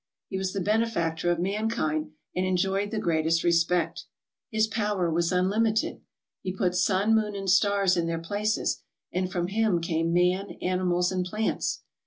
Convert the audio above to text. He was the benefactor of man kind and enjoyed the greatest respect. His power was unlimited. He put sun, moon, and stars in their places, and from him came man, animals, and plants.